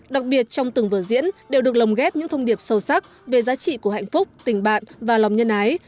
đặc biệt trong từng vở diễn đều được lồng ghép những thông điệp sâu sắc về giá trị của hạnh phúc tình bạn và lòng nhân ái